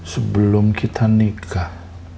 sebelum kita nikah